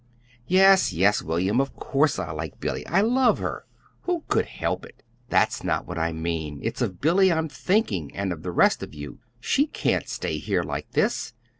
"Yes, yes, William, of course I like Billy. I love her! Who could help it? That's not what I mean. It's of Billy I'm thinking, and of the rest of you. She can't stay here like this.